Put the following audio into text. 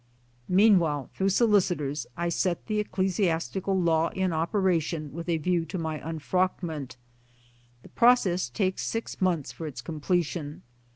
1 Meanwhile through solicitors I set the ecclesias tical law in operation with a view to my unfrockment. The process takes six months for its completion.